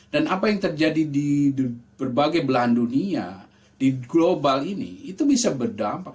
dan apa yang terjadi di berbagai belahan dunia di global ini itu bisa berdampak